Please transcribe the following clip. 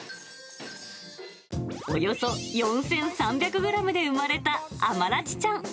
およそ４３００グラムで産まれたアマラチちゃん。